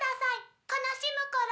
悲しむから。